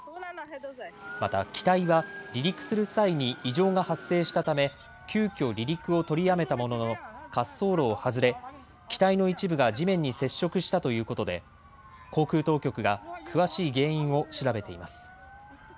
また機体は離陸する際に異常が発生したため急きょ、離陸を取りやめたものの滑走路を外れ機体の一部が地面に接触したということで航空当局が詳しい原因を調べています。